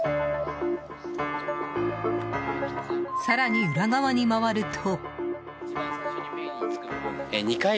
更に裏側に回ると。